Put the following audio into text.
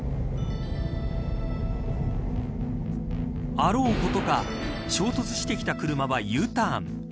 あろうことか、衝突してきた車はＵターン。